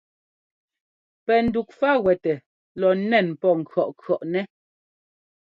Pɛ ndufáguɛtɛ lɔ nɛ́n pɔ ŋkʉ̈ʼŋkʉ̈ʼnɛ́.